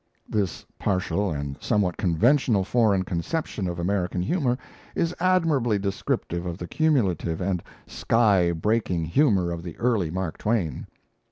This partial and somewhat conventional foreign conception of American humour is admirably descriptive of the cumulative and "sky breaking" humour of the early Mark Twain.